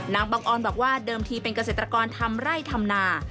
บังออนบอกว่าเดิมทีเป็นเกษตรกรทำไร่ทำนา